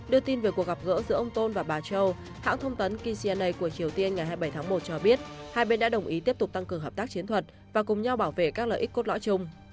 đưa tin về cuộc gặp gỡ giữa ông tôn và bà châu hãng thông tấn kcna của triều tiên ngày hai mươi bảy tháng một cho biết hai bên đã đồng ý tiếp tục tăng cường hợp tác chiến thuật và cùng nhau bảo vệ các lợi ích cốt lõi chung